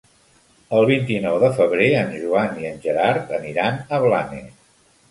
El vint-i-nou de febrer en Joan i en Gerard aniran a Blanes.